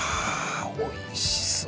おいしそう。